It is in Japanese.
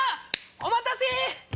お待たせ。